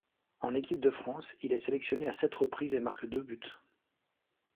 En équipe de France, il est sélectionné à sept reprises et marque deux buts.